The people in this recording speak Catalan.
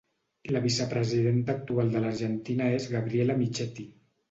La vicepresidenta actual de l'Argentina és Gabriela Michetti.